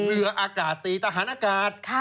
เรืออากาศตีทหารอากาศ